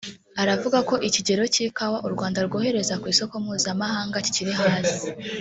aravuga ko ikigero cy’ikawa u Rwanda rwohereza ku isoko mpuzamahanga kikiri hasi